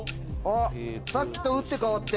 さっきと打って変わって。